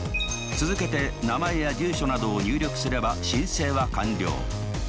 続けて名前や住所などを入力すれば申請は完了。